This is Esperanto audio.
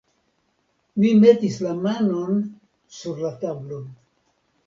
Mi metis la manon sur la tablon.